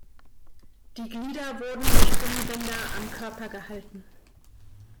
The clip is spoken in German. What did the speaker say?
Die Glieder wurden durch Gummibänder am Körper gehalten.